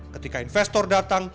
ketika investor datang